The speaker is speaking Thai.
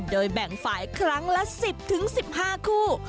โดยแบ่งฝ่ายครั้งละ๑๐๑๕คู่